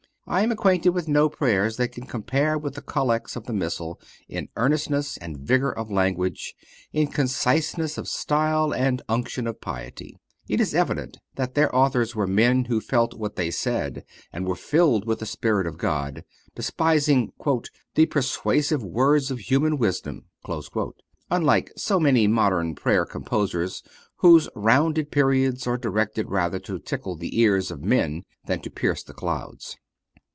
I am acquainted with no prayers that can compare with the collects of the Missal in earnestness and vigor of language, in conciseness of style and unction of piety. It is evident that their authors were men who felt what they said and were filled with the spirit of God, despising "the persuasive words of human wisdom," unlike so many modern prayer composers whose rounded periods are directed rather to tickle the ears of men than to pierce the clouds.